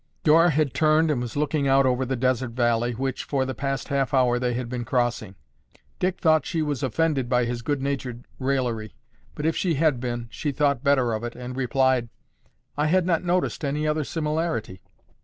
Dora had turned and was looking out over the desert valley, which, for the past half hour, they had been crossing. Dick thought she was offended by his good natured raillery, but, if she had been, she thought better of it and replied, "I had not noticed any other similarity."